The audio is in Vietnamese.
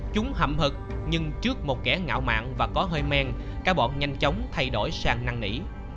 chúng hậm hực nhưng trước một kẻ ngạo mạng và có hơi men các bọn nhanh chóng thay đổi sang năng nỉ